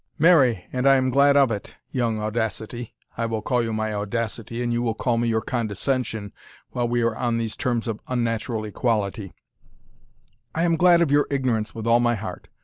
"Marry and I am glad of it, young Audacity, (I will call you my Audacity, and you will call me your Condescension, while we are on these terms of unnatural equality,) I am glad of your ignorance with all my heart.